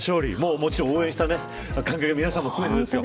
もちろん応援した観客の皆さんも含めてですよ。